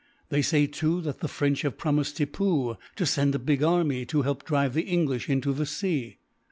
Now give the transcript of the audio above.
They say, too, that the French have promised Tippoo to send a big army, to help to drive the English into the sea."